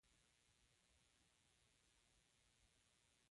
د ملي ضد حکومتونو سره مخ شوې وې.